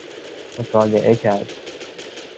مطالعه کرد